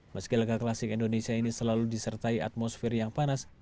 meski laga klasik indonesia ini selalu disertai atmosfer yang panas